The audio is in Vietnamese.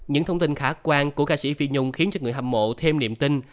những thông tin khả quan của ca sĩ phi nhung khiến cho người hâm mộ thêm niềm tin